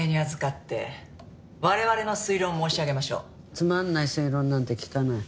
つまんない推論なんて聞かない。